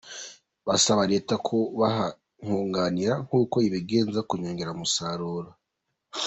Basaba leta kubaha nkunganire nk’uko ibigenza ku nyongeramusaruro.